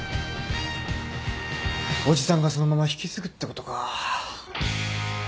叔父さんがそのまま引き継ぐってことか。